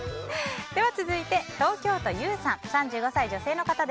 続いて東京都、３５歳、女性の方。